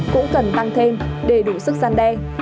cũng cần tăng thêm để đủ sức gian đe